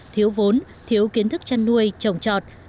thiếu vốn thiếu kiến thức chăn nuôi trồng trọt